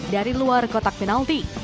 dari luar kotak penalti